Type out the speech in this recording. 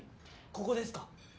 ここですか？